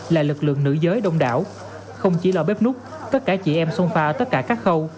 là lực lượng nữ giới đông đảo không chỉ là bếp nút tất cả chị em xôn pha ở tất cả các khâu